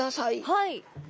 はい。